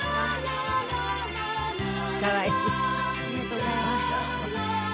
ありがとうございます。